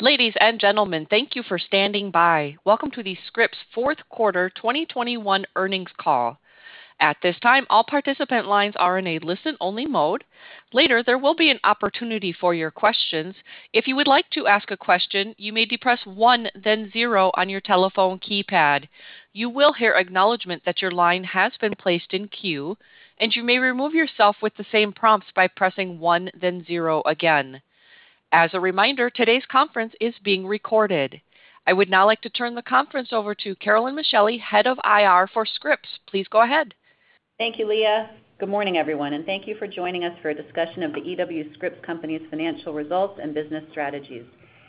Ladies and gentlemen, thank you for standing by. Welcome to the Scripps fourth quarter 2021 earnings call. At this time, all participant lines are in a listen-only mode. Later, there will be an opportunity for your questions. If you would like to ask a question, you may then press one then zero on your telephone keypad. You will hear acknowledgement that your line has been placed in queue, and you may remove yourself with the same prompts by pressing one then zero again. As a reminder, today's conference is being recorded. I would now like to turn the conference over to Carolyn Micheli, Head of IR for Scripps. Please go ahead. Thank you, Leah. Good morning, everyone, and thank you for joining us for a discussion of The E.W. Scripps Company's financial results and business strategies.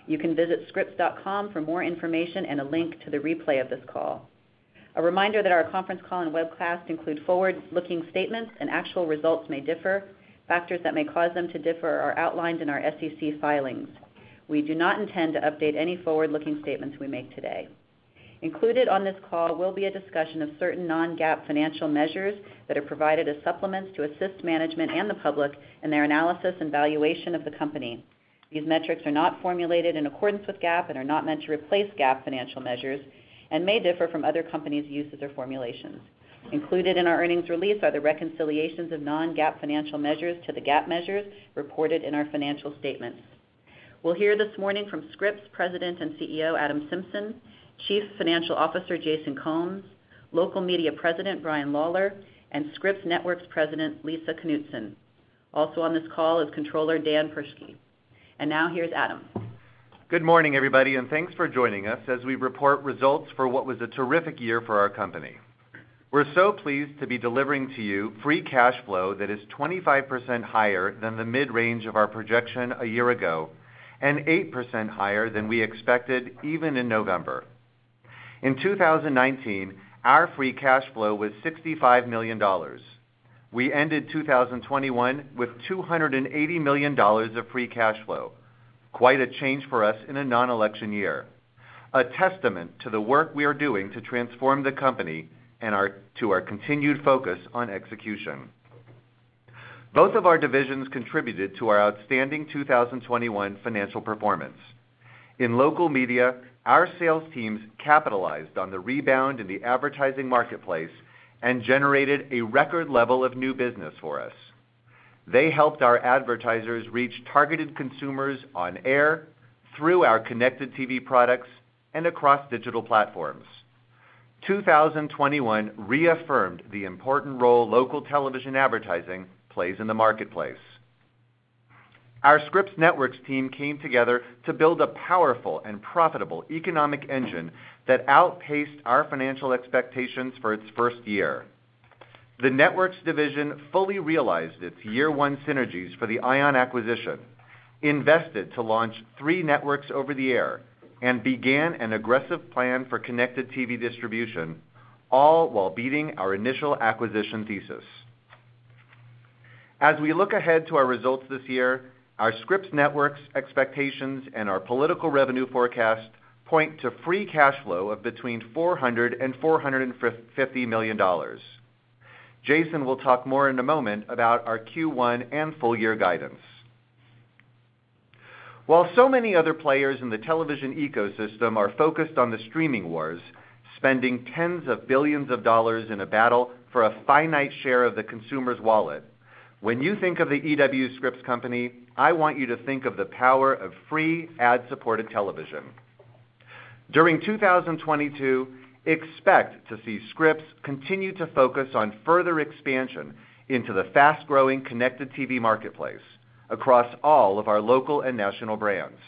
You can visit scripps.com for more information and a link to the replay of this call. A reminder that our conference call and webcast include forward-looking statements and actual results may differ. Factors that may cause them to differ are outlined in our SEC filings. We do not intend to update any forward-looking statements we make today. Included on this call will be a discussion of certain non-GAAP financial measures that are provided as supplements to assist management and the public in their analysis and valuation of the company. These metrics are not formulated in accordance with GAAP and are not meant to replace GAAP financial measures and may differ from other companies' uses or formulations. Included in our earnings release are the reconciliations of non-GAAP financial measures to the GAAP measures reported in our financial statements. We'll hear this morning from Scripps President and CEO, Adam Symson, Chief Financial Officer, Jason Combs, Local Media President, Brian Lawlor, and Scripps Networks President, Lisa Knutson. Also on this call is Controller Dan Perschke. Now here's Adam. Good morning, everybody, and thanks for joining us as we report results for what was a terrific year for our company. We're so pleased to be delivering to you free cash flow that is 25% higher than the mid-range of our projection a year ago and 8% higher than we expected even in November. In 2019, our free cash flow was $65 million. We ended 2021 with $280 million of free cash flow. Quite a change for us in a nonelection year. A testament to the work we are doing to transform the company and to our continued focus on execution. Both of our divisions contributed to our outstanding 2021 financial performance. In local media, our sales teams capitalized on the rebound in the advertising marketplace and generated a record level of new business for us. They helped our advertisers reach targeted consumers on air through our connected TV products and across digital platforms. 2021 reaffirmed the important role local television advertising plays in the marketplace. Our Scripps Networks team came together to build a powerful and profitable economic engine that outpaced our financial expectations for its first year. The Networks division fully realized its year-one synergies for the ION acquisition, invested to launch three networks over the air, and began an aggressive plan for connected TV distribution, all while beating our initial acquisition thesis. As we look ahead to our results this year, our Scripps Networks expectations and our political revenue forecast point to free cash flow of between $400 million and $450 million. Jason will talk more in a moment about our Q1 and full year guidance. While so many other players in the television ecosystem are focused on the streaming wars, spending tens of billions of dollars in a battle for a finite share of the consumer's wallet, when you think of The E.W. Scripps Company, I want you to think of the power of free ad-supported television. During 2022, expect to see Scripps continue to focus on further expansion into the fast-growing connected TV marketplace across all of our local and national brands.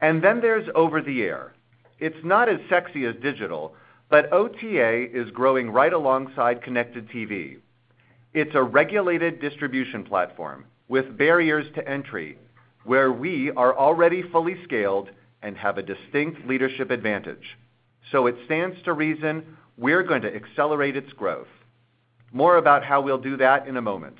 There's over-the-air. It's not as sexy as digital, but OTA is growing right alongside connected TV. It's a regulated distribution platform with barriers to entry, where we are already fully scaled and have a distinct leadership advantage. It stands to reason we're going to accelerate its growth. More about how we'll do that in a moment.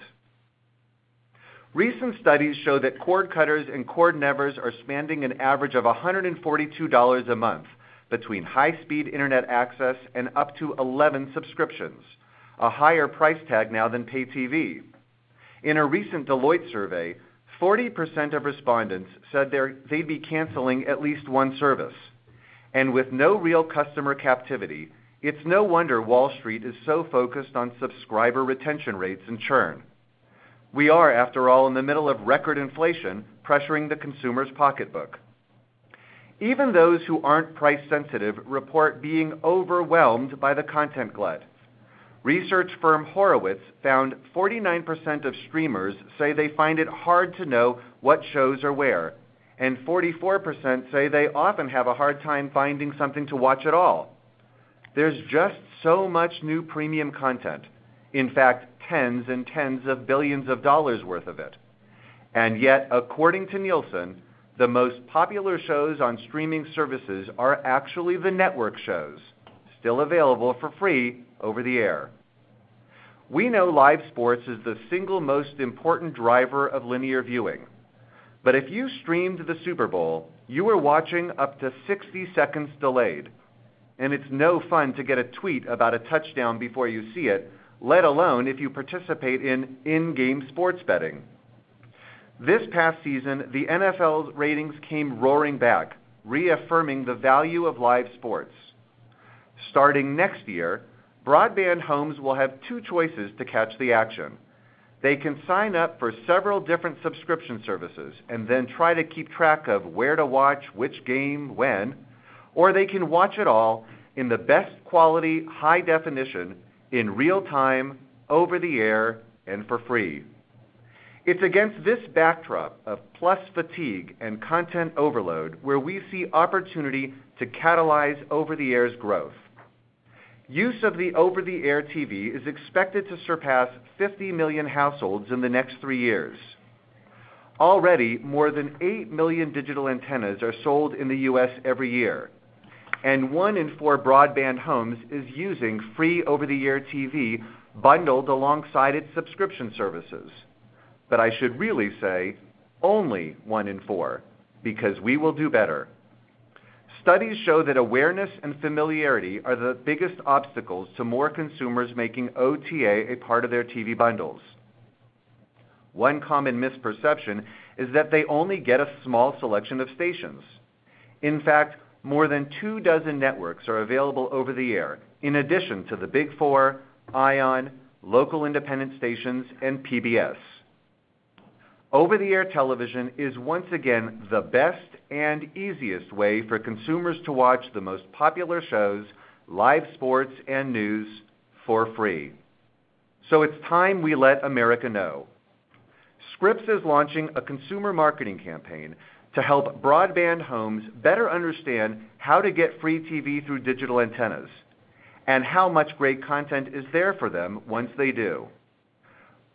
Recent studies show that cord cutters and cord nevers are spending an average of $142 a month between high-speed internet access and up to 11 subscriptions, a higher price tag now than paid TV. In a recent Deloitte survey, 40% of respondents said they'd be canceling at least one service. With no real customer captivity, it's no wonder Wall Street is so focused on subscriber retention rates and churn. We are, after all, in the middle of record inflation, pressuring the consumer's pocketbook. Even those who aren't price-sensitive report being overwhelmed by the content glut. Research for Horowitz found 49% of streamers say they find it hard to know what shows are where, and 44% say they often have a hard time finding something to watch at all. There's just so much new premium content. In fact, tens and tens of billions of dollars worth of it. Yet, according to Nielsen, the most popular shows on streaming services are actually the network shows still available for free over the air. We know live sports is the single most important driver of linear viewing. If you streamed the Super Bowl, you were watching up to 60 seconds delayed. It's no fun to get a tweet about a touchdown before you see it, let alone if you participate in-game sports betting. This past season, the NFL's ratings came roaring back, reaffirming the value of live sports. Starting next year, broadband homes will have two choices to catch the action. They can sign up for several different subscription services and then try to keep track of where to watch which game when, or they can watch it all in the best quality, high definition, in real time, over the air, and for free. It's against this backdrop of plus fatigue and content overload where we see opportunity to catalyze over-the-air's growth. Use of the over-the-air TV is expected to surpass 50 million households in the next three years. Already, more than 8 million digital antennas are sold in the U.S. every year, and one in four broadband homes is using free over-the-air TV bundled alongside its subscription services. I should really say only one in four, because we will do better. Studies show that awareness and familiarity are the biggest obstacles to more consumers making OTA a part of their TV bundles. One common misperception is that they only get a small selection of stations. In fact, more than two dozen networks are available over the air, in addition to the big four, ION, local independent stations, and PBS. Over-the-air television is once again the best and easiest way for consumers to watch the most popular shows, live sports, and news for free. It's time we let America know. Scripps is launching a consumer marketing campaign to help broadband homes better understand how to get free TV through digital antennas and how much great content is there for them once they do.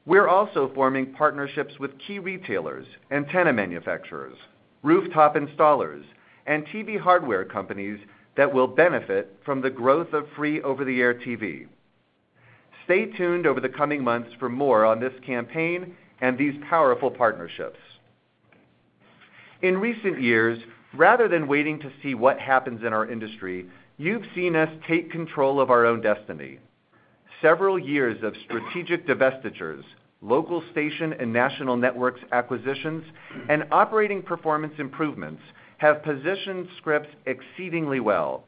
We're also forming partnerships with key retailers, antenna manufacturers, rooftop installers, and TV hardware companies that will benefit from the growth of free over-the-air TV. Stay tuned over the coming months for more on this campaign and these powerful partnerships. In recent years, rather than waiting to see what happens in our industry, you've seen us take control of our own destiny. Several years of strategic divestitures, local station and national networks acquisitions, and operating performance improvements have positioned Scripps exceedingly well.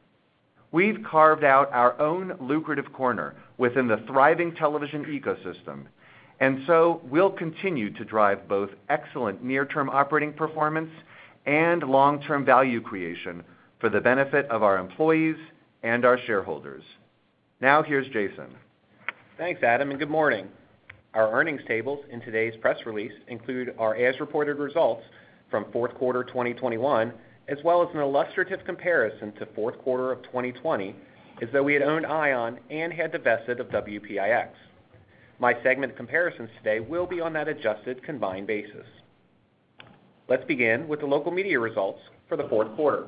We've carved out our own lucrative corner within the thriving television ecosystem, and so we'll continue to drive both excellent near-term operating performance and long-term value creation for the benefit of our employees and our shareholders. Now here's Jason. Thanks, Adam, and good morning. Our earnings tables in today's press release include our as-reported results from fourth quarter 2021, as well as an illustrative comparison to fourth quarter of 2020, as though we had owned ION and had divested of WPIX. My segment comparisons today will be on that adjusted combined basis. Let's begin with the Local Media results for the fourth quarter.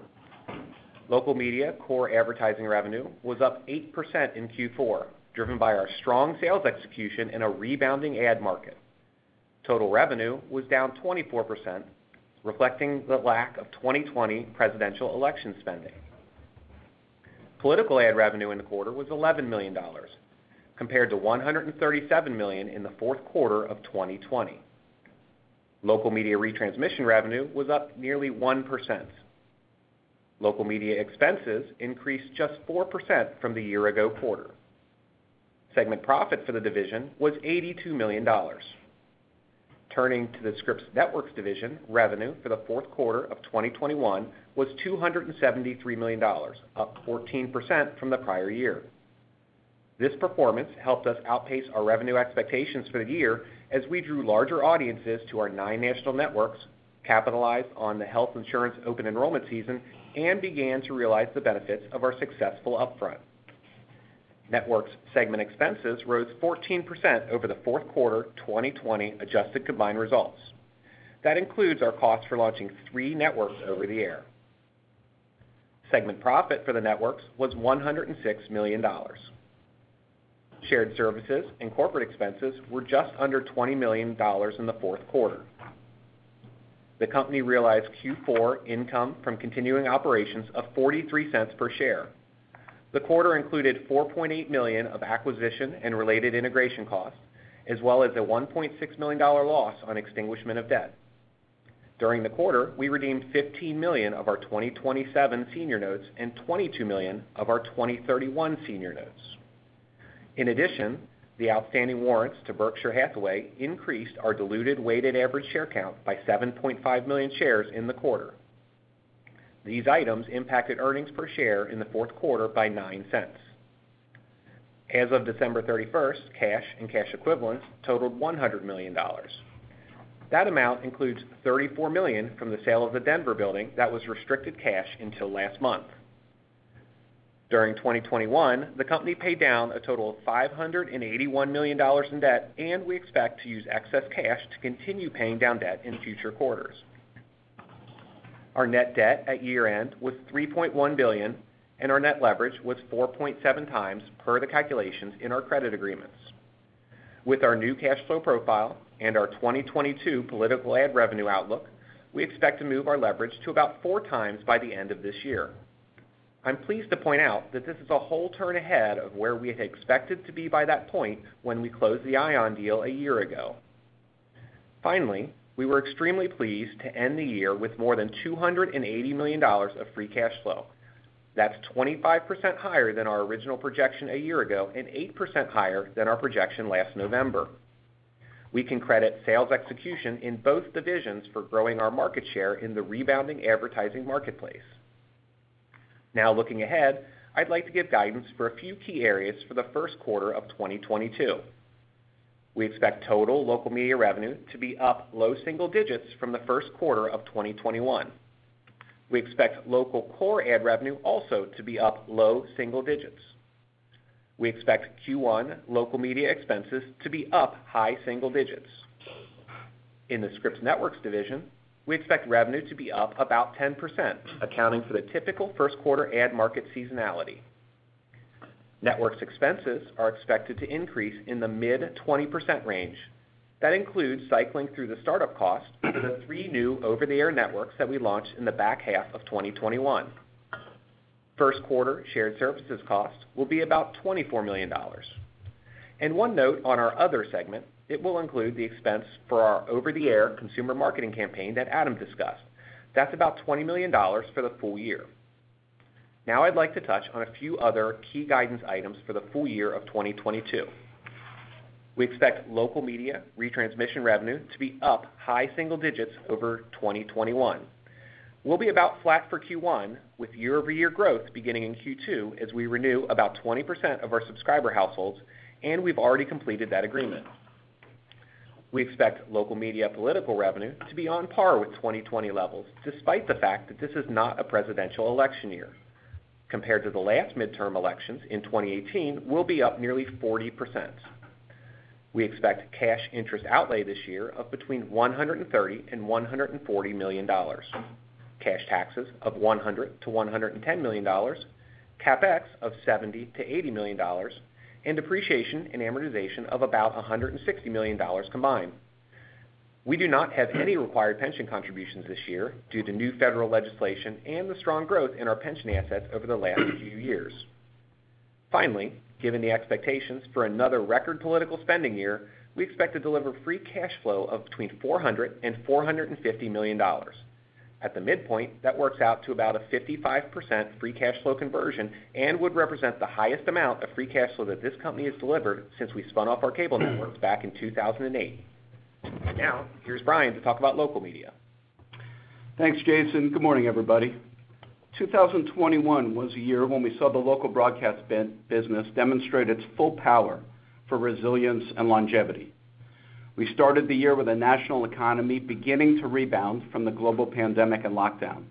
Local Media core advertising revenue was up 8% in Q4, driven by our strong sales execution in a rebounding ad market. Total revenue was down 24%, reflecting the lack of 2020 presidential election spending. Political ad revenue in the quarter was $11 million, compared to $137 million in the fourth quarter of 2020. Local Media retransmission revenue was up nearly 1%. Local Media expenses increased just 4% from the year ago quarter. Segment profit for the division was $82 million. Turning to the Scripps Networks division, revenue for the fourth quarter of 2021 was $273 million, up 14% from the prior year. This performance helped us outpace our revenue expectations for the year as we drew larger audiences to our nine national networks, capitalized on the health insurance open enrollment season, and began to realize the benefits of our successful upfront. Networks segment expenses rose 14% over the fourth quarter 2020 adjusted combined results. That includes our cost for launching three networks over the air. Segment profit for the networks was $106 million. Shared services and corporate expenses were just under $20 million in the fourth quarter. The company realized Q4 income from continuing operations of $0.43 per share. The quarter included $4.8 million of acquisition and related integration costs, as well as a $1.6 million loss on extinguishment of debt. During the quarter, we redeemed $15 million of our 2027 senior notes and $22 million of our 2031 senior notes. In addition, the outstanding warrants to Berkshire Hathaway increased our diluted weighted average share count by 7.5 million shares in the quarter. These items impacted earnings per share in the fourth quarter by $0.09. As of December 31st, cash and cash equivalents totaled $100 million. That amount includes $34 million from the sale of the Denver building that was restricted cash until last month. During 2021, the company paid down a total of $581 million in debt, and we expect to use excess cash to continue paying down debt in future quarters. Our net debt at year-end was $3.1 billion, and our net leverage was 4.7x per the calculations in our credit agreements. With our new cash flow profile and our 2022 political ad revenue outlook, we expect to move our leverage to about 4x by the end of this year. I'm pleased to point out that this is a whole turn ahead of where we had expected to be by that point when we closed the ION deal a year ago. Finally, we were extremely pleased to end the year with more than $280 million of free cash flow. That's 25% higher than our original projection a year ago and 8% higher than our projection last November. We can credit sales execution in both divisions for growing our market share in the rebounding advertising marketplace. Now, looking ahead, I'd like to give guidance for a few key areas for the first quarter of 2022. We expect total Local Media revenue to be up low single digits from the first quarter of 2021. We expect local core ad revenue also to be up low single digits. We expect Q1 Local Media expenses to be up high single digits. In the Scripps Networks division, we expect revenue to be up about 10%, accounting for the typical first quarter ad market seasonality. Networks expenses are expected to increase in the mid-20% range. That includes cycling through the start-up cost for the three new over-the-air networks that we launched in the back half of 2021. First quarter shared services costs will be about $24 million. One note on our other segment, it will include the expense for our over-the-air consumer marketing campaign that Adam discussed. That's about $20 million for the full year. Now, I'd like to touch on a few other key guidance items for the full year of 2022. We expect local media retransmission revenue to be up high single digits over 2021. We'll be about flat for Q1 with year-over-year growth beginning in Q2 as we renew about 20% of our subscriber households, and we've already completed that agreement. We expect local media political revenue to be on par with 2020 levels, despite the fact that this is not a presidential election year. Compared to the last midterm elections in 2018, we'll be up nearly 40%. We expect cash interest outlay this year of between $130 million and $140 million, cash taxes of $100 million-$110 million, CapEx of $70 million-$80 million, and depreciation and amortization of about $160 million combined. We do not have any required pension contributions this year due to new federal legislation and the strong growth in our pension assets over the last few years. Finally, given the expectations for another record political spending year, we expect to deliver free cash flow of between $400 million and $450 million. At the midpoint, that works out to about a 55% free cash flow conversion and would represent the highest amount of free cash flow that this company has delivered since we spun off our cable networks back in 2008. Now, here's Brian to talk about local media. Thanks, Jason. Good morning, everybody. 2021 was a year when we saw the local broadcast business demonstrate its full power for resilience and longevity. We started the year with a national economy beginning to rebound from the global pandemic and lockdown.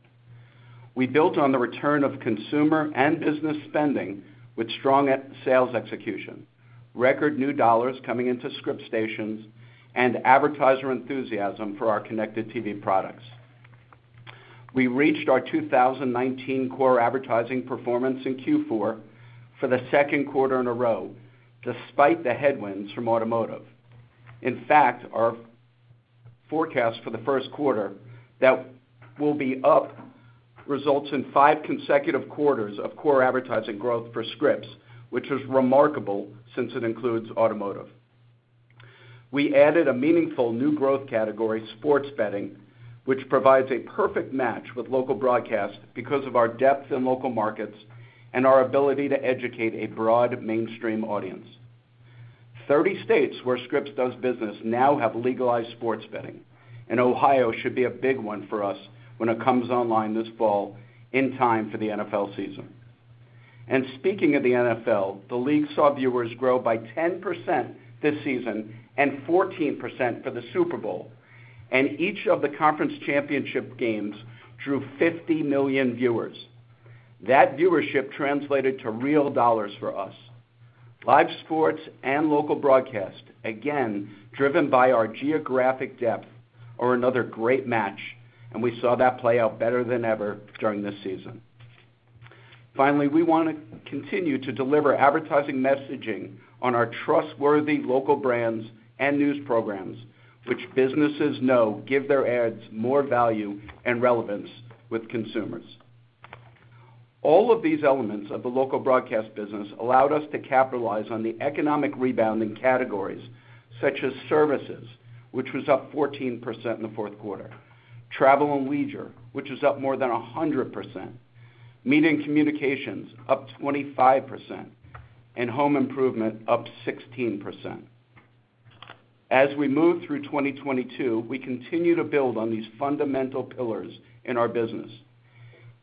We built on the return of consumer and business spending with strong sales execution, record new dollars coming into Scripps stations, and advertiser enthusiasm for our connected TV products. We reached our 2019 core advertising performance in Q4 for the second quarter in a row, despite the headwinds from automotive. In fact, our forecast for the first quarter that will be up results in five consecutive quarters of core advertising growth for Scripps, which is remarkable since it includes automotive. We added a meaningful new growth category, Sports Betting, which provides a perfect match with local broadcast because of our depth in local markets and our ability to educate a broad mainstream audience. 30 states where Scripps does business now have legalized Sports Betting, and Ohio should be a big one for us when it comes online this fall in time for the NFL season. Speaking of the NFL, the league saw viewers grow by 10% this season and 14% for the Super Bowl, and each of the conference championship games drew 50 million viewers. That viewership translated to real dollars for us. Live sports and local broadcast, again, driven by our geographic depth, are another great match, and we saw that play out better than ever during this season. Finally, we wanna continue to deliver advertising messaging on our trustworthy local brands and news programs, which businesses know give their ads more value and relevance with consumers. All of these elements of the local broadcast business allowed us to capitalize on the economic rebound in categories such as services, which was up 14% in the fourth quarter, travel and leisure, which is up more than 100%, media and communications, up 25%, and home improvement, up 16%. As we move through 2022, we continue to build on these fundamental pillars in our business.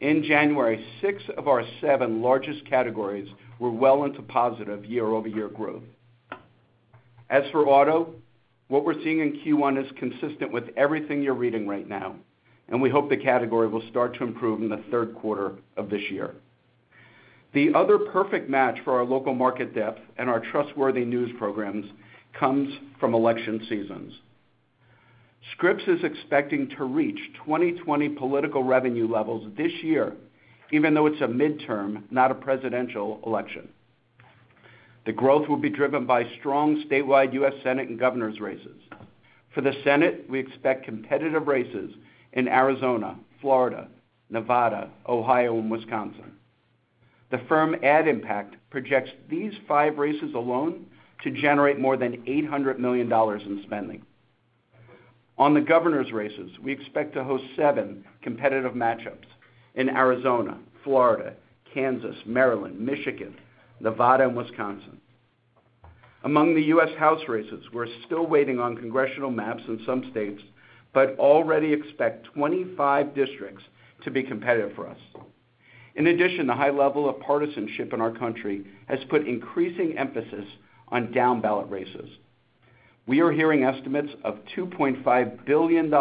In January, six of our seven largest categories were well into positive year-over-year growth. As for auto, what we're seeing in Q1 is consistent with everything you're reading right now, and we hope the category will start to improve in the third quarter of this year. The other perfect match for our local market depth and our trustworthy news programs comes from election seasons. Scripps is expecting to reach 2020 political revenue levels this year, even though it's a midterm, not a presidential election. The growth will be driven by strong statewide U.S. Senate and governor's races. For the Senate, we expect competitive races in Arizona, Florida, Nevada, Ohio, and Wisconsin. The firm AdImpact projects these five races alone to generate more than $800 million in spending. On the governor's races, we expect to host seven competitive match-ups in Arizona, Florida, Kansas, Maryland, Michigan, Nevada, and Wisconsin. Among the U.S. House races, we're still waiting on congressional maps in some states, but already expect 25 districts to be competitive for us. In addition, the high level of partisanship in our country has put increasing emphasis on down-ballot races. We are hearing estimates of $2.5 billion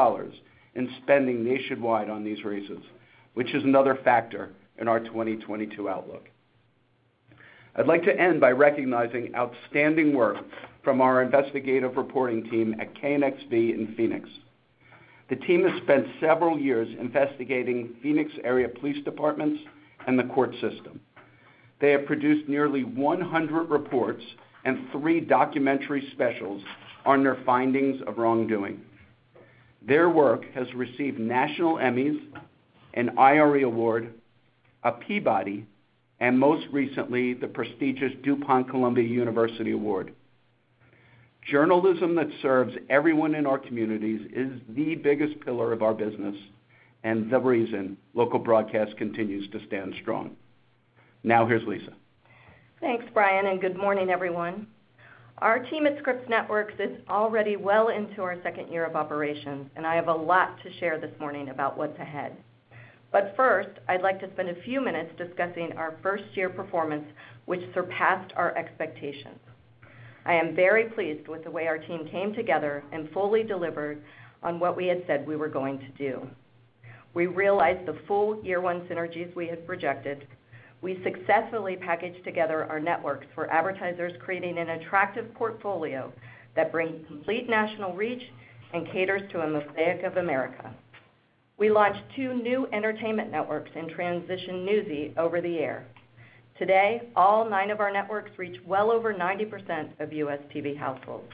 in spending nationwide on these races, which is another factor in our 2022 outlook. I'd like to end by recognizing outstanding work from our investigative reporting team at KNXV in Phoenix. The team has spent several years investigating Phoenix area police departments and the court system. They have produced nearly 100 reports and three documentary specials on their findings of wrongdoing. Their work has received national Emmys, an IRE Award, a Peabody, and most recently, the prestigious duPont Columbia University Award. Journalism that serves everyone in our communities is the biggest pillar of our business and the reason local broadcast continues to stand strong. Now, here's Lisa. Thanks, Brian and good morning, everyone. Our team at Scripps Networks is already well into our second year of operations, and I have a lot to share this morning about what's ahead. First, I'd like to spend a few minutes discussing our first-year performance, which surpassed our expectations. I am very pleased with the way our team came together and fully delivered on what we had said we were going to do. We realized the full year-one synergies we had projected. We successfully packaged together our networks for advertisers, creating an attractive portfolio that brings complete national reach and caters to a mosaic of America. We launched two new entertainment networks and transitioned Newsy over the air. Today, all nine of our networks reach well over 90% of U.S. TV households.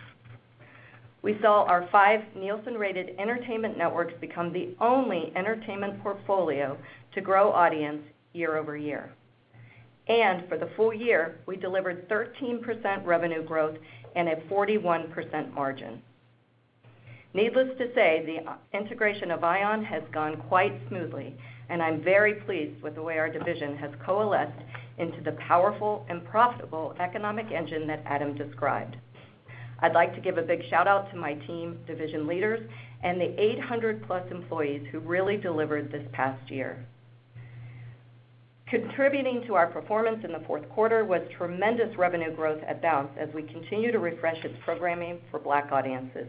We saw our five Nielsen-rated entertainment networks become the only entertainment portfolio to grow audience year-over-year. For the full year, we delivered 13% revenue growth and a 41% margin. Needless to say, the integration of ION has gone quite smoothly, and I'm very pleased with the way our division has coalesced into the powerful and profitable economic engine that Adam described. I'd like to give a big shout-out to my team division leaders and the 800+ employees who really delivered this past year. Contributing to our performance in the fourth quarter was tremendous revenue growth at Bounce as we continue to refresh its programming for Black audiences.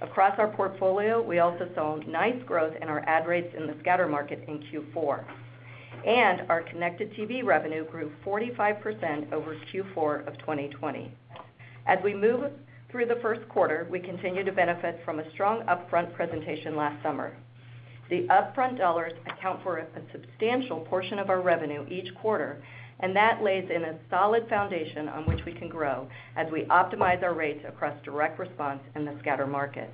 Across our portfolio, we also saw nice growth in our ad rates in the scatter market in Q4. Our connected TV revenue grew 45% over Q4 of 2020. As we move through the first quarter, we continue to benefit from a strong upfront presentation last summer. The upfront dollars account for a substantial portion of our revenue each quarter, and that lays in a solid foundation on which we can grow as we optimize our rates across direct response in the scatter market.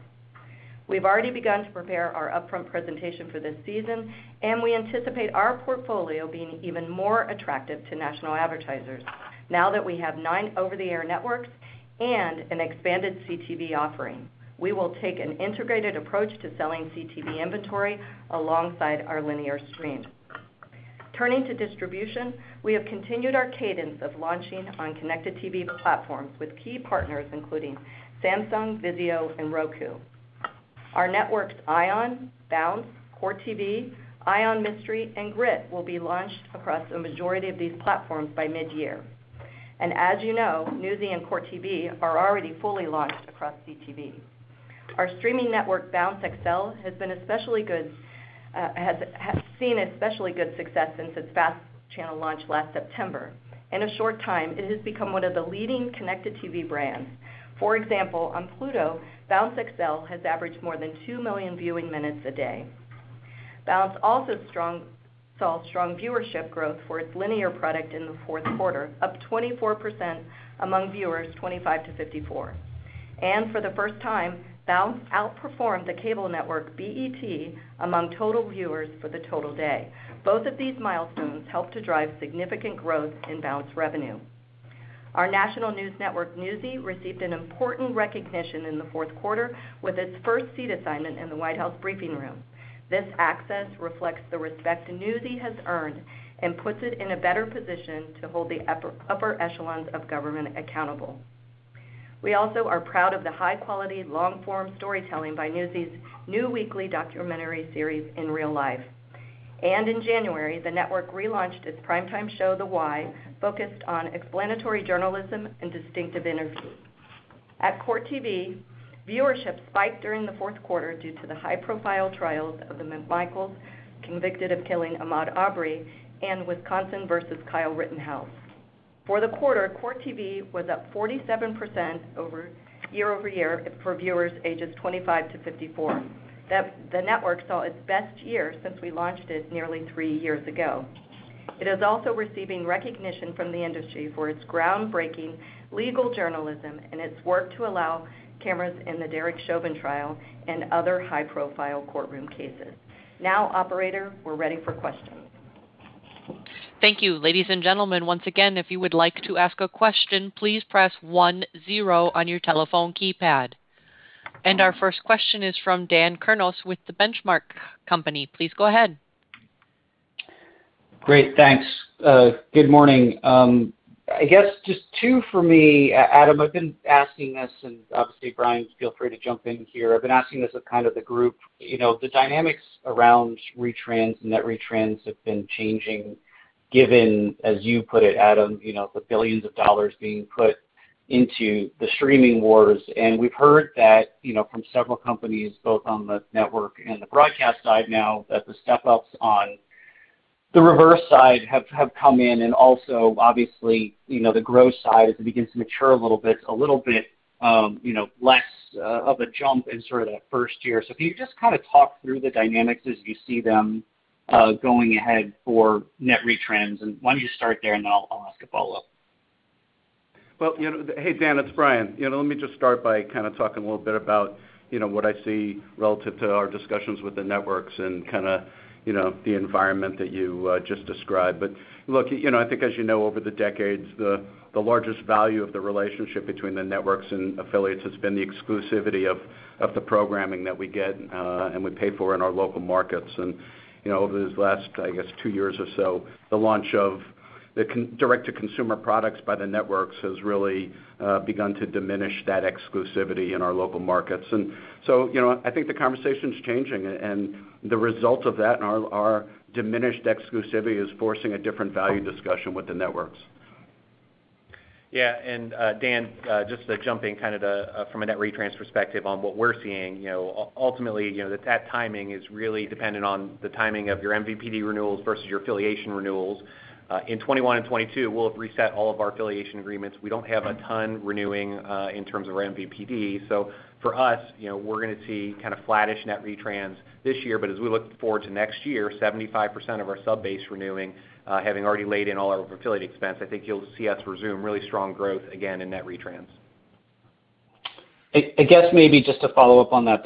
We've already begun to prepare our upfront presentation for this season, and we anticipate our portfolio being even more attractive to national advertisers now that we have nine over-the-air networks and an expanded CTV offering. We will take an integrated approach to selling CTV inventory alongside our linear stream. Turning to distribution, we have continued our cadence of launching on connected TV platforms with key partners including Samsung, VIZIO, and Roku. Our networks ION, Bounce, Court TV, ION Mystery, and Grit will be launched across a majority of these platforms by mid-year. As you know, Newsy and Court TV are already fully launched across CTV. Our streaming network, Bounce XL, has been especially good, has seen especially good success since its FAST channel launch last September. In a short time, it has become one of the leading connected TV brands. For example, on Pluto, Bounce XL has averaged more than 2 million viewing minutes a day. Bounce saw strong viewership growth for its linear product in the fourth quarter, up 24% among viewers 25-54. For the first time, Bounce outperformed the cable network BET among total viewers for the total day. Both of these milestones helped to drive significant growth in Bounce revenue. Our national news network, Newsy, received an important recognition in the fourth quarter with its first seat assignment in the White House briefing room. This access reflects the respect Newsy has earned and puts it in a better position to hold the upper echelons of government accountable. We also are proud of the high-quality, long-form storytelling by Newsy's new weekly documentary series, In Real Life. In January, the network relaunched its primetime show, The Why, focused on explanatory journalism and distinctive interviews. At Court TV, viewership spiked during the fourth quarter due to the high-profile trials of the McMichaels convicted of killing Ahmaud Arbery and Wisconsin versus Kyle Rittenhouse. For the quarter, Court TV was up 47% year-over-year for viewers ages 25-54. The network saw its best year since we launched it nearly three years ago. It is also receiving recognition from the industry for its groundbreaking legal journalism and its work to allow cameras in the Derek Chauvin trial and other high-profile courtroom cases. Now, operator, we're ready for questions. Thank you. Ladies and gentlemen, once again, if you would like to ask a question, please press 10 on your telephone keypad. Our first question is from Dan Kurnos with The Benchmark Company. Please go ahead. Great. Thanks. Good morning. I guess just two for me. Adam, I've been asking this, and obviously, Brian, feel free to jump in here. I've been asking this of kind of the group, you know, the dynamics around retrans and net retrans have been changing, given, as you put it, Adam, you know, the billions of dollars being put into the streaming wars. We've heard that, you know, from several companies, both on the network and the broadcast side now, that the step-ups on the reverse side have come in. Also, obviously, you know, the growth side as it begins to mature a little bit, you know, less of a jump in sort of that first year. Can you just kinda talk through the dynamics as you see them going ahead for net retrans? Why don't you start there, and then I'll ask a follow-up. Well, you know, hey, Dan, it's Brian. You know, let me just start by kinda talking a little bit about, you know, what I see relative to our discussions with the networks and kinda, you know, the environment that you just described. Look, you know, I think as you know, over the decades, the largest value of the relationship between the networks and affiliates has been the exclusivity of the programming that we get and we pay for in our local markets. You know, over these last, I guess, two years or so, the launch of the direct-to-consumer products by the networks has really begun to diminish that exclusivity in our local markets. You know, I think the conversation's changing, and the result of that and our diminished exclusivity is forcing a different value discussion with the networks. Yeah. Dan, just jumping kind of from a net retrans perspective on what we're seeing, you know, ultimately, you know, the that timing is really dependent on the timing of your MVPD renewals versus your affiliation renewals. In 2021 and 2022, we'll have reset all of our affiliation agreements. We don't have a ton renewing in terms of our MVPD. For us, you know, we're gonna see kinda flattish net retrans this year. As we look forward to next year, 75% of our sub base renewing, having already laid in all our affiliate expense, I think you'll see us resume really strong growth again in net retrans. I guess maybe just to follow up on that.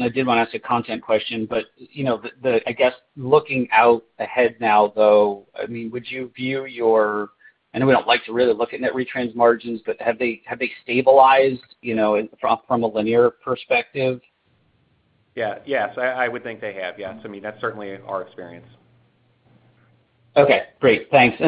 I did wanna ask a content question. You know, I guess, looking out ahead now though, I mean, would you view, I know we don't like to really look at net retrans margins, but have they stabilized, you know, from a linear perspective? Yeah. Yes, I would think they have. Yes. I mean, that's certainly our experience. Okay. Great. Thanks.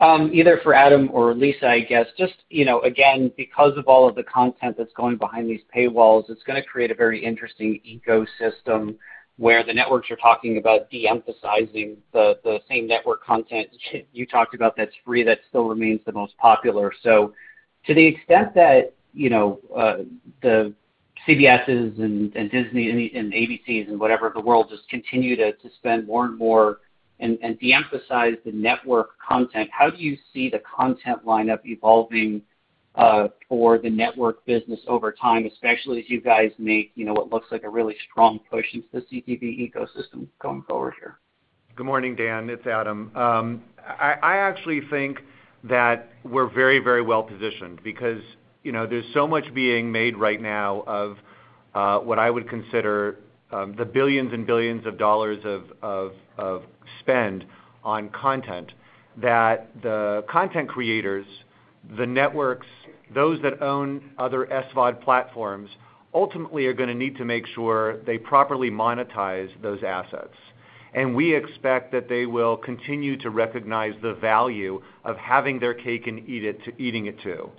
Either for Adam or Lisa, I guess, just, you know, again, because of all of the content that's going behind these paywalls, it's gonna create a very interesting ecosystem where the networks are talking about de-emphasizing the same network content you talked about that's free, that still remains the most popular. To the extent that, you know, the CBS's and Disney and ABC's and whatever of the world just continue to spend more and more and de-emphasize the network content, how do you see the content lineup evolving for the network business over time, especially as you guys make, you know, what looks like a really strong push into the CTV ecosystem going forward here? Good morning, Dan. It's Adam. I actually think that we're very, very well-positioned because, you know, there's so much being made right now of what I would consider the billions and billions of dollars of spend on content, that the content creators, the networks, those that own other SVOD platforms, ultimately are gonna need to make sure they properly monetize those assets. We expect that they will continue to recognize the value of having their cake and eat it too.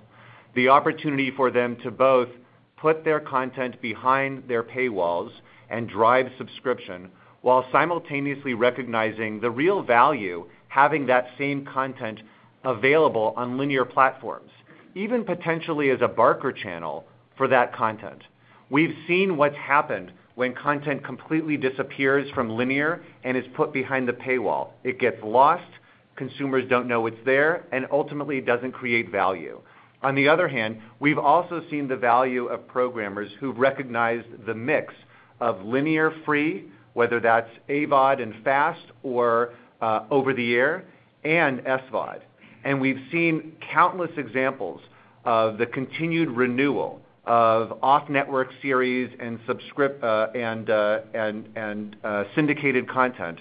The opportunity for them to both put their content behind their paywalls and drive subscription while simultaneously recognizing the real value having that same content available on linear platforms, even potentially as a barker channel for that content. We've seen what's happened when content completely disappears from linear and is put behind the paywall. It gets lost, consumers don't know it's there, and ultimately, it doesn't create value. On the other hand, we've also seen the value of programmers who've recognized the mix of linear free, whether that's AVOD and FAST or over the air and SVOD. We've seen countless examples of the continued renewal of off-network series and syndicated content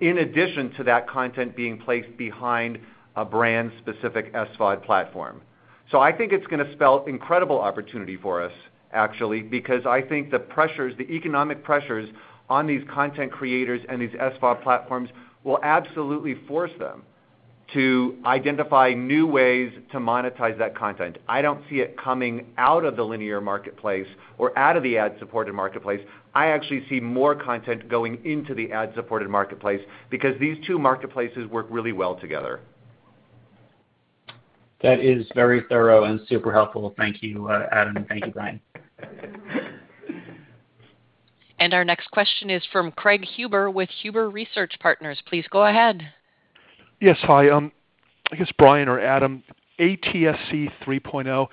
in addition to that content being placed behind a brand-specific SVOD platform. I think it's gonna spell incredible opportunity for us actually, because I think the pressures, the economic pressures on these content creators and these SVOD platforms will absolutely force them to identify new ways to monetize that content. I don't see it coming out of the linear marketplace or out of the ad-supported marketplace. I actually see more content going into the ad-supported marketplace because these two marketplaces work really well together. That is very thorough and super helpful. Thank you, Adam. Thank you, Brian. Our next question is from Craig Huber with Huber Research Partners. Please go ahead. Yes, hi. I guess Brian or Adam, ATSC 3.0,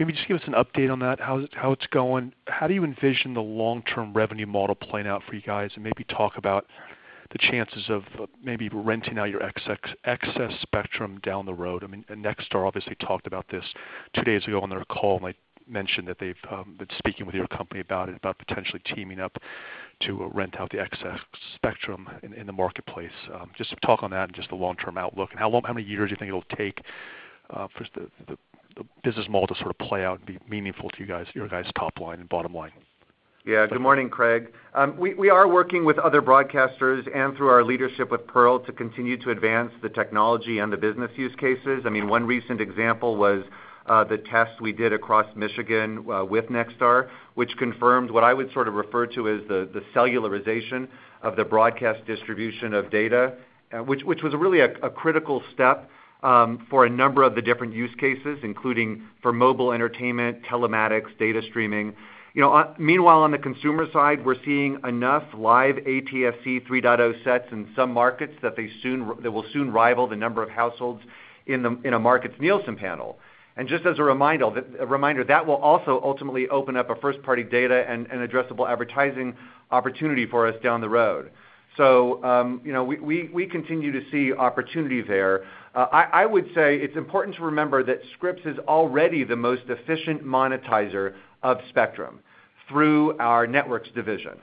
maybe just give us an update on that, how it's going. How do you envision the long-term revenue model playing out for you guys? Maybe talk about the chances of maybe renting out your excess spectrum down the road. I mean, Nexstar obviously talked about this two days ago on their call, and they mentioned that they've been speaking with your company about it, about potentially teaming up to rent out the excess spectrum in the marketplace. Just talk on that and just the long-term outlook. How many years do you think it'll take for the business model to sort of play out and be meaningful to you guys, your guys' top line and bottom line? Good morning, Craig. We are working with other broadcasters and through our leadership with Pearl to continue to advance the technology and the business use cases. I mean, one recent example was the test we did across Michigan with Nexstar, which confirms what I would sort of refer to as the cellularization of the broadcast distribution of data, which was really a critical step for a number of the different use cases, including for mobile entertainment, telematics, data streaming. You know, meanwhile, on the consumer side, we're seeing enough live ATSC 3.0 sets in some markets that they will soon rival the number of households in a market's Nielsen panel. Just as a reminder, that will also ultimately open up a first-party data and addressable advertising opportunity for us down the road. You know, we continue to see opportunity there. I would say it's important to remember that Scripps is already the most efficient monetizer of spectrum through our networks division.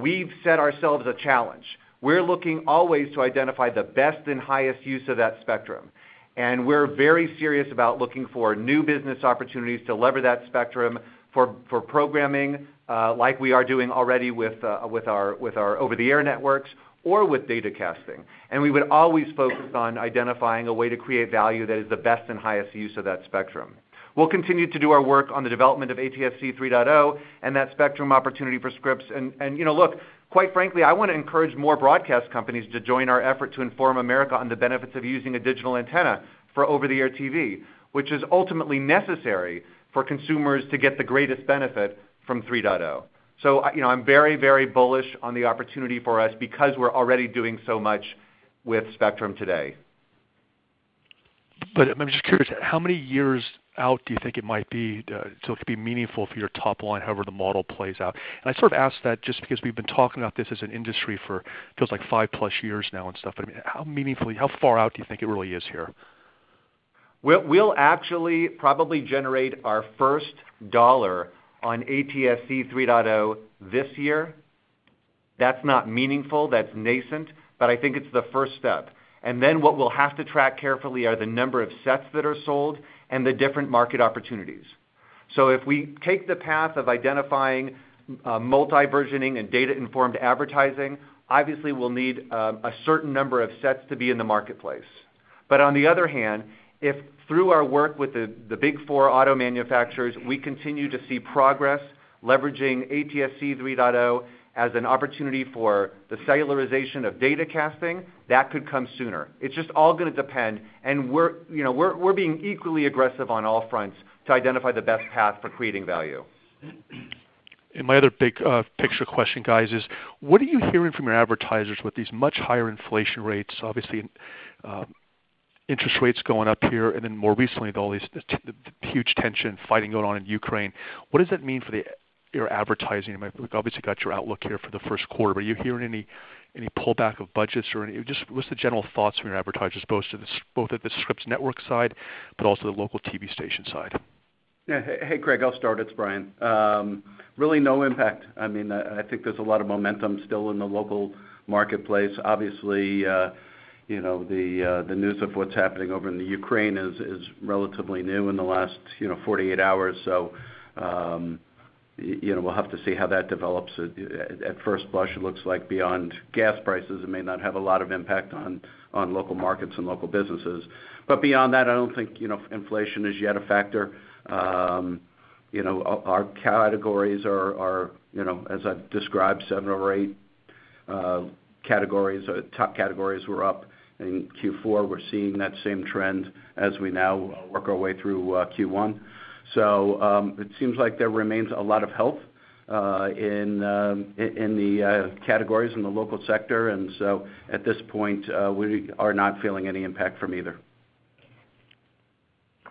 We've set ourselves a challenge. We're looking always to identify the best and highest use of that spectrum, and we're very serious about looking for new business opportunities to lever that spectrum for programming, like we are doing already with our over-the-air networks or with data casting. We would always focus on identifying a way to create value that is the best and highest use of that spectrum. We'll continue to do our work on the development of ATSC 3.0 and that spectrum opportunity for Scripps. You know, look, quite frankly, I wanna encourage more broadcast companies to join our effort to inform America on the benefits of using a digital antenna for over-the-air TV, which is ultimately necessary for consumers to get the greatest benefit from 3.0. You know, I'm very, very bullish on the opportunity for us because we're already doing so much with spectrum today. I'm just curious, how many years out do you think it might be, so it could be meaningful for your top line, however the model plays out? I sort of ask that just because we've been talking about this as an industry for feels like 5+ years now and stuff. I mean, how far out do you think it really is here? We'll actually probably generate our first dollar on ATSC 3.0 this year. That's not meaningful. That's nascent, but I think it's the first step. What we'll have to track carefully are the number of sets that are sold and the different market opportunities. If we take the path of identifying multi-versioning and data-informed advertising, obviously we'll need a certain number of sets to be in the marketplace. On the other hand, if through our work with the big four auto manufacturers, we continue to see progress leveraging ATSC 3.0 as an opportunity for the cellularization of data casting, that could come sooner. It's just all gonna depend, and we're you know, we're being equally aggressive on all fronts to identify the best path for creating value. My other big picture question, guys, is what are you hearing from your advertisers with these much higher inflation rates? Obviously, interest rates going up here, and then more recently, with all these the huge tensions, fighting going on in Ukraine. What does that mean for your advertising? I mean, look, obviously, you've got your outlook here for the first quarter, but are you hearing any pullback of budgets or any? Just what's the general thoughts from your advertisers, both at the Scripps Networks side, but also the local TV station side? Yeah. Hey, Craig. I'll start. It's Brian. Really no impact. I mean, I think there's a lot of momentum still in the local marketplace. Obviously, you know, the news of what's happening over in the Ukraine is relatively new in the last, you know, 48 hours. You know, we'll have to see how that develops. At first blush it looks like beyond gas prices, it may not have a lot of impact on local markets and local businesses. But beyond that I don't think, you know, inflation is yet a factor. You know, our categories are, you know, as I've described, seven or eight categories. Top categories were up in Q4. We're seeing that same trend as we now work our way through Q1. It seems like there remains a lot of health in the categories in the local sector. At this point, we are not feeling any impact from either.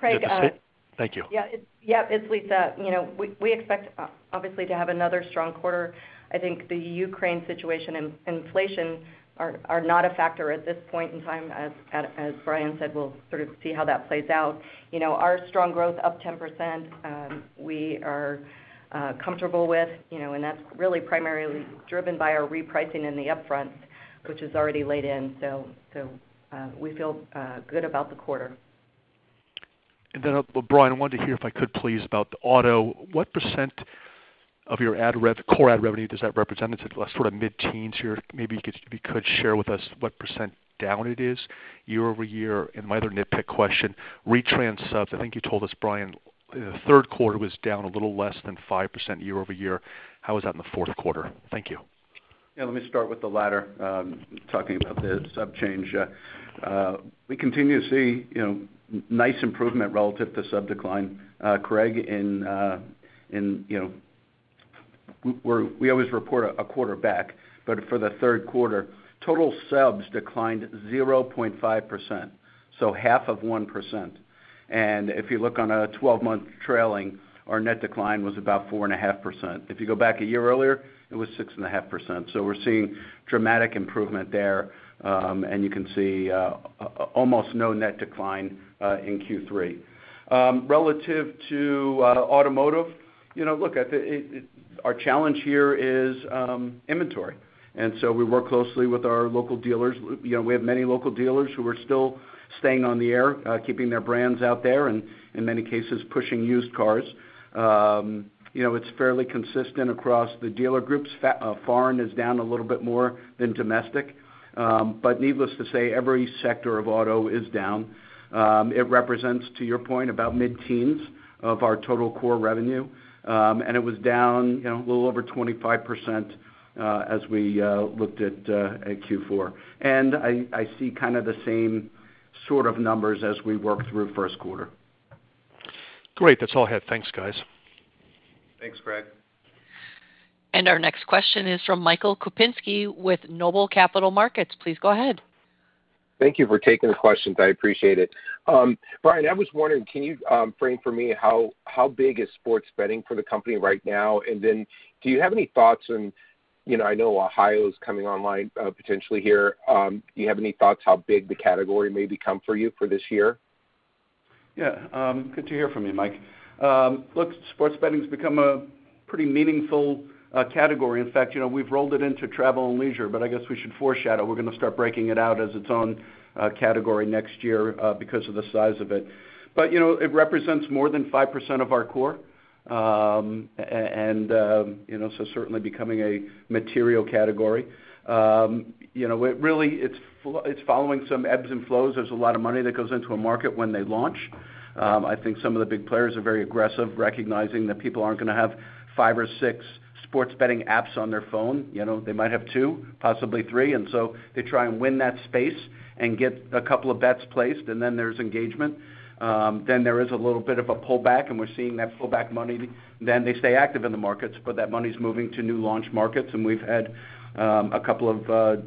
That's it. Thank you. Craig. Yeah. It's Lisa. You know, we expect obviously to have another strong quarter. I think the Ukraine situation and inflation are not a factor at this point in time. As Brian said, we'll sort of see how that plays out. You know, our strong growth up 10%, we are comfortable with, you know, and that's really primarily driven by our repricing in the upfront, which is already laid in. We feel good about the quarter. Brian, I wanted to hear, if I could please, about the auto. What percent of your core ad revenue does that represent? It's, like, sort of mid-teens here. Maybe you could, if you could share with us what percent down it is year-over-year. My other nitpick question, retrans subs. I think you told us, Brian, that in the third quarter was down a little less than 5% year-over-year. How was that in the fourth quarter? Thank you. Yeah, let me start with the latter, talking about the sub change. We continue to see, you know, nice improvement relative to sub decline. Craig, we always report a quarter back, but for the third quarter, total subs declined 0.5%, so half of 1%. If you look on a 12-month trailing, our net decline was about 4.5%. If you go back a year earlier, it was 6.5%. We're seeing dramatic improvement there, and you can see almost no net decline in Q3. Relative to automotive, you know, look, I think our challenge here is inventory. We work closely with our local dealers. You know, we have many local dealers who are still staying on the air, keeping their brands out there and in many cases, pushing used cars. You know, it's fairly consistent across the dealer groups. Foreign is down a little bit more than domestic. But needless to say, every sector of auto is down. It represents, to your point, about mid-teens of our total core revenue, and it was down, you know, a little over 25%, as we looked at Q4. I see kind of the same sort of numbers as we work through first quarter. Great. That's all I had. Thanks, guys. Thanks, Craig. Our next question is from Michael Kupinski with Noble Capital Markets. Please go ahead. Thank you for taking the questions. I appreciate it. Brian, I was wondering, can you frame for me how big is sports betting for the company right now? Then do you have any thoughts on, you know, I know Ohio is coming online, potentially here. Do you have any thoughts how big the category may become for you for this year? Yeah, good to hear from you, Mike. Look, sports betting's become a pretty meaningful category. In fact, you know, we've rolled it into travel and leisure, but I guess we should foreshadow, we're gonna start breaking it out as its own category next year, because of the size of it. You know, it represents more than 5% of our core, and you know, so certainly becoming a material category. You know, it really, it's following some ebbs and flows. There's a lot of money that goes into a market when they launch. I think some of the big players are very aggressive, recognizing that people aren't gonna have five or six sports betting apps on their phone. You know, they might have two, possibly three, and so they try and win that space and get a couple of bets placed, and then there's engagement. Then there is a little bit of a pullback, and we're seeing that pullback money. Then they stay active in the markets, but that money's moving to new launch markets, and we've had a couple of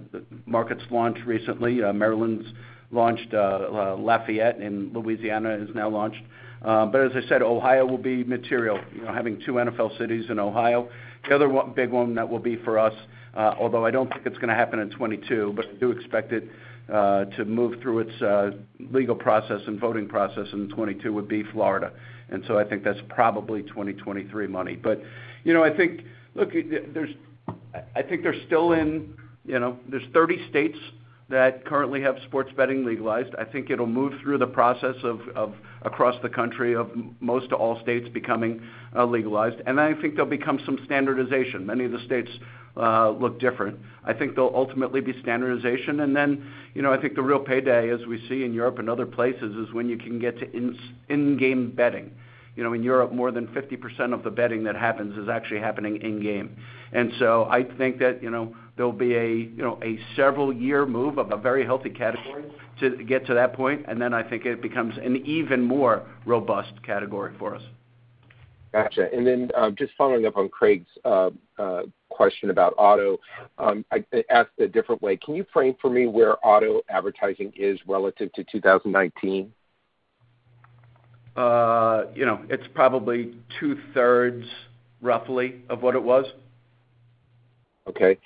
markets launch recently. Maryland's launched. Lafayette in Louisiana is now launched. As I said, Ohio will be material, you know, having two NFL cities in Ohio. The other one, big one that will be for us, although I don't think it's gonna happen in 2022, but I do expect it to move through its legal process and voting process in 2022 would be Florida. I think that's probably 2023 money. I think, look, there's 30 states that currently have sports betting legalized. I think it'll move through the process of across the country of most to all states becoming legalized. I think there'll become some standardization. Many of the states look different. I think there'll ultimately be standardization. I think the real payday, as we see in Europe and other places, is when you can get to in-game betting. You know, in Europe, more than 50% of the betting that happens is actually happening in-game. I think that, you know, there'll be a several year move of a very healthy category to get to that point. I think it becomes an even more robust category for us. Gotcha. Just following up on Craig's question about auto, I'd ask a different way. Can you frame for me where auto advertising is relative to 2019? You know, it's probably 2/3 roughly of what it was. Okay.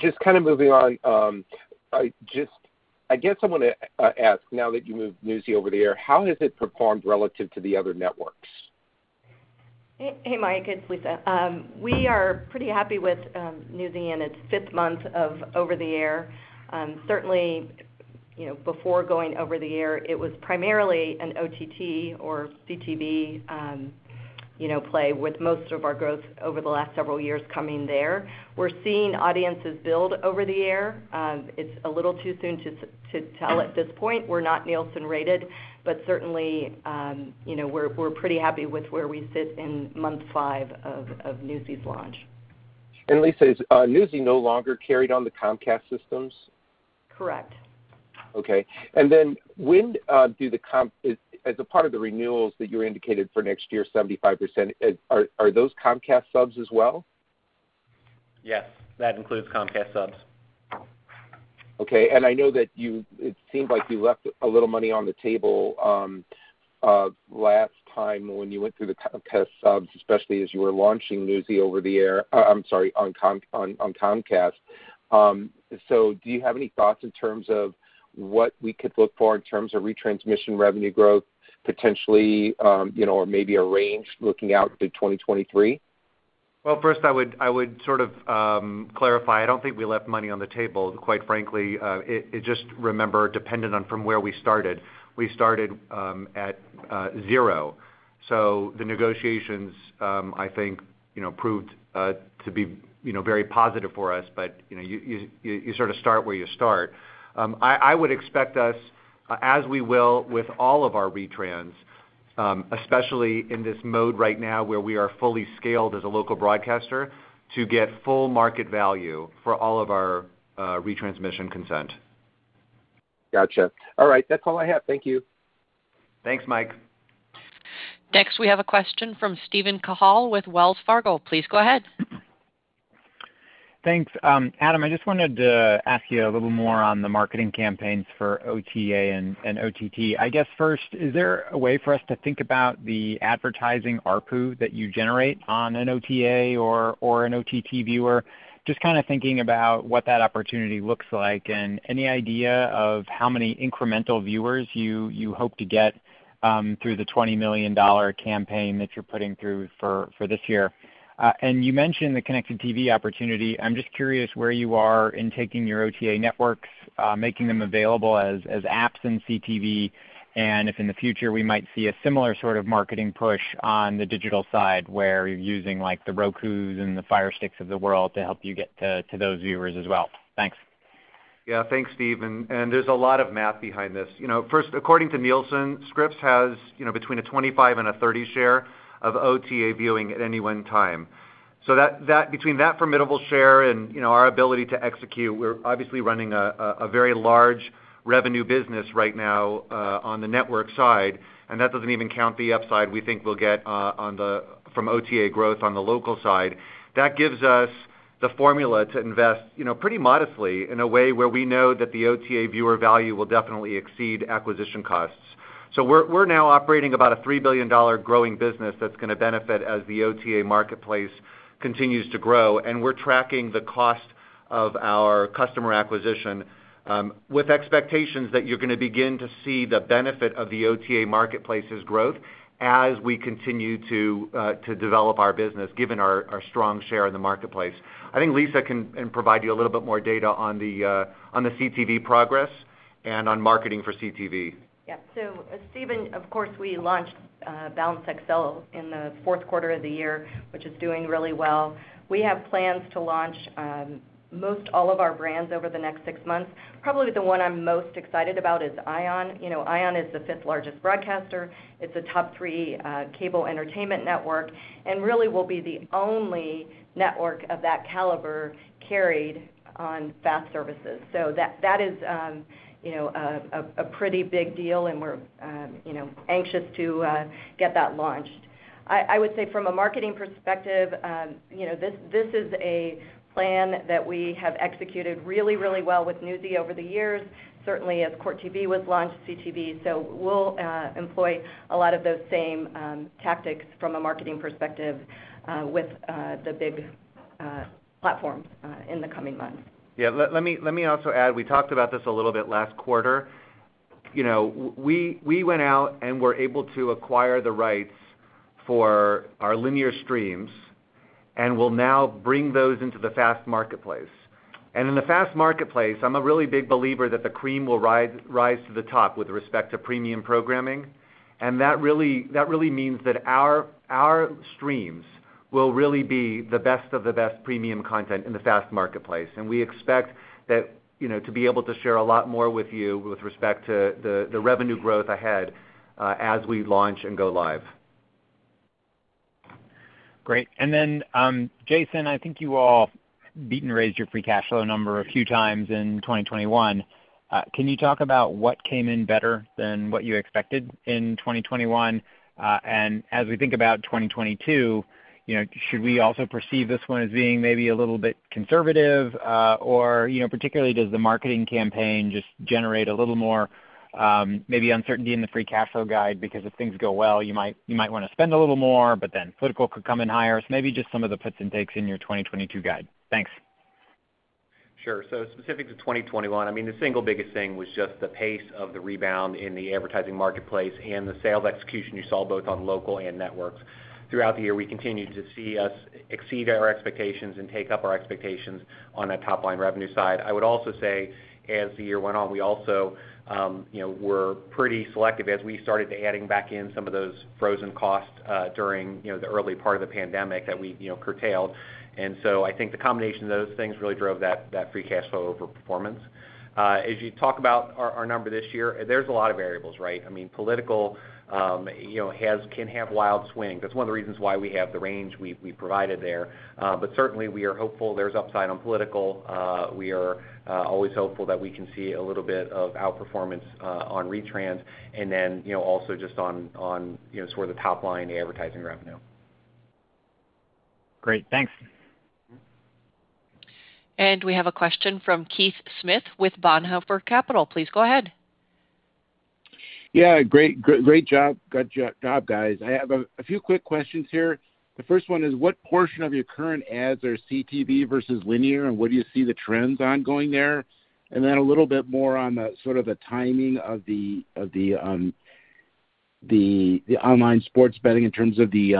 Just kind of moving on, I guess I wanna ask, now that you moved Newsy over the air, how has it performed relative to the other networks? Hey, hey, Mike, it's Lisa. We are pretty happy with Newsy in its fifth month of over-the-air. Certainly, you know, before going over-the-air, it was primarily an OTT or CTV play with most of our growth over the last several years coming there. We're seeing audiences build over-the-air. It's a little too soon to tell at this point. We're not Nielsen-rated, but certainly, you know, we're pretty happy with where we sit in month five of Newsy's launch. Lisa, is Newsy no longer carried on the Comcast systems? Correct. Okay. As a part of the renewals that you indicated for next year, 75% are those Comcast subs as well? Yes. That includes Comcast subs. Okay. I know that it seemed like you left a little money on the table last time when you went through the Comcast subs, especially as you were launching Newsy over-the-air. I'm sorry, on Comcast. Do you have any thoughts in terms of what we could look for in terms of retransmission revenue growth potentially, or maybe a range looking out to 2023? Well, first I would sort of clarify I don't think we left money on the table, quite frankly. It just, remember, depended on from where we started. We started at zero. The negotiations, I think, you know, proved to be, you know, very positive for us. You know you sort of start where you start. I would expect us, as we will with all of our retrans especially in this mode right now where we are fully scaled as a local broadcaster to get full market value for all of our retransmission consent. Gotcha. All right, that's all I have. Thank you. Thanks, Mike. Next, we have a question from Steven Cahall with Wells Fargo. Please go ahead. Thanks. Adam, I just wanted to ask you a little more on the marketing campaigns for OTA and OTT. I guess first, is there a way for us to think about the advertising ARPU that you generate on an OTA or an OTT viewer? Just kinda thinking about what that opportunity looks like and any idea of how many incremental viewers you hope to get through the $20 million campaign that you're putting through for this year. You mentioned the connected TV opportunity. I'm just curious where you are in taking your OTA networks, making them available as apps in CTV and if in the future we might see a similar sort of marketing push on the digital side where you're using like the Rokus and the Fire Sticks of the world to help you get to those viewers as well. Thanks. Yeah. Thanks, Steve. There's a lot of math behind this. You know, first, according to Nielsen, Scripps has, you know, between a 25%-30% share of OTA viewing at any one time. That between that formidable share and, you know, our ability to execute, we're obviously running a very large revenue business right now on the network side. That doesn't even count the upside we think we'll get from OTA growth on the local side. That gives us the formula to invest, you know, pretty modestly in a way where we know that the OTA viewer value will definitely exceed acquisition costs. We're now operating about a $3 billion growing business that's gonna benefit as the OTA marketplace continues to grow. We're tracking the cost of our customer acquisition with expectations that you're gonna begin to see the benefit of the OTA marketplace's growth as we continue to develop our business given our strong share in the marketplace. I think Lisa can provide you a little bit more data on the CTV progress and on marketing for CTV. Yeah. Steven, of course, we launched Bounce XL in the fourth quarter of the year which is doing really well. We have plans to launch most all of our brands over the next six months. Probably the one I'm most excited about is ION. You know, ION is the fifth largest broadcaster. It's a top three cable entertainment network and really will be the only network of that caliber carried on FAST services. That is you know a pretty big deal and we're you know anxious to get that launched. I would say from a marketing perspective you know this is a plan that we have executed really well with Newsy over the years, certainly as Court TV was launched, CTV. We'll employ a lot of those same tactics from a marketing perspective with the big platforms in the coming months. Yeah. Let me also add, we talked about this a little bit last quarter. We went out and were able to acquire the rights for our linear streams and will now bring those into the FAST marketplace. In the FAST marketplace, I'm a really big believer that the cream will rise to the top with respect to premium programming and that really means that our streams will really be the best of the best premium content in the FAST marketplace. We expect that to be able to share a lot more with you with respect to the revenue growth ahead as we launch and go live. Great. Then, Jason, I think you all beat and raised your free cash flow number a few times in 2021. Can you talk about what came in better than what you expected in 2021? As we think about 2022, you know, should we also perceive this one as being maybe a little bit conservative? Or, you know, particularly does the marketing campaign just generate a little more, maybe uncertainty in the free cash flow guide because if things go well you might want to spend a little more but then political could come in higher. Maybe just some of the puts and takes in your 2022 guide. Thanks. Sure. Specific to 2021, I mean the single biggest thing was just the pace of the rebound in the advertising marketplace and the sales execution you saw both on local and networks. Throughout the year, we continued to see exceed our expectations and take up our expectations on a top line revenue side. I would also say as the year went on we also, you know, were pretty selective as we started adding back in some of those frozen costs, during, you know, the early part of the pandemic that we, you know, curtailed. I think the combination of those things really drove that free cash flow over performance. As you talk about our number this year, there's a lot of variables, right? I mean political, you know, can have wild swings. That's one of the reasons why we have the range we provided there. Certainly we are hopeful there's upside on political. We are always hopeful that we can see a little bit of outperformance on retrans and then, you know, also just on you know, sort of the top line advertising revenue. Great. Thanks. We have a question from Keith Smith with Bonhoeffer Capital. Please go ahead. Yeah. Great job. Good job, guys. I have a few quick questions here. The first one is what portion of your current ads are CTV versus linear and what do you see the trends on going there? Then a little bit more on the sort of the timing of the online sports betting in terms of the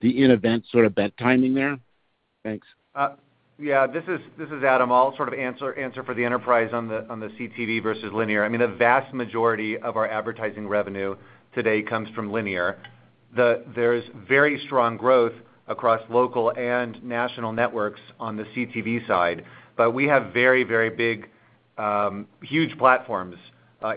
in-event sort of bet timing there. Thanks. Yeah. This is Adam. I'll sort of answer for the enterprise on the CTV versus linear. I mean, the vast majority of our advertising revenue today comes from linear. There's very strong growth across local and national networks on the CTV side but we have very, very big, huge platforms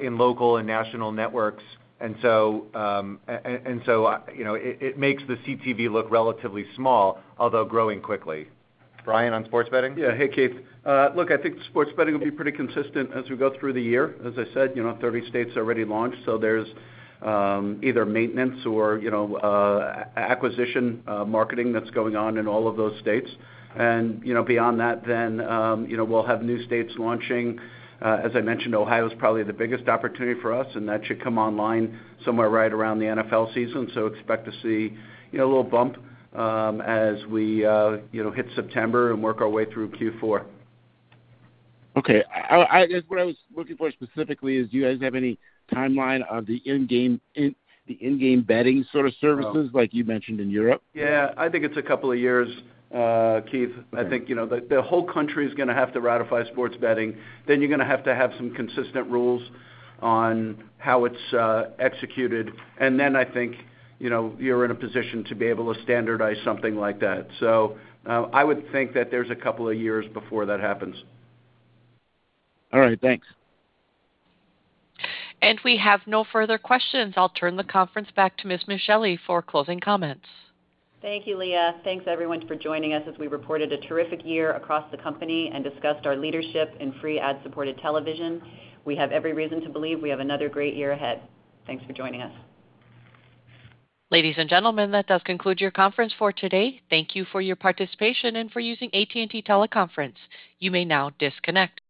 in local and national networks and so, I... You know, it makes the CTV look relatively small although growing quickly. Brian, on sports betting? Yeah. Hey, Keith. Look, I think sports betting will be pretty consistent as we go through the year. As I said, you know, 30 states already launched so there's either maintenance or, you know, acquisition, marketing that's going on in all of those states. You know, beyond that then, you know, we'll have new states launching. As I mentioned, Ohio's probably the biggest opportunity for us and that should come online somewhere right around the NFL season so expect to see, you know, a little bump as we, you know, hit September and work our way through Q4. Okay. What I was looking for specifically is, do you guys have any timeline of the in-game betting sort of services? No. Like you mentioned in Europe? Yeah. I think it's a couple of years, Keith. Okay. I think, you know, the whole country's gonna have to ratify sports betting then you're gonna have to have some consistent rules on how it's executed and then I think, you know, you're in a position to be able to standardize something like that. I would think that there's a couple of years before that happens. All right. Thanks. We have no further questions. I'll turn the conference back to Ms. Micheli for closing comments. Thank you, Leah. Thanks everyone for joining us as we reported a terrific year across the company and discussed our leadership in free ad supported television. We have every reason to believe we have another great year ahead. Thanks for joining us. Ladies and gentlemen, that does conclude your conference for today. Thank you for your participation and for using AT&T Teleconference. You may now disconnect.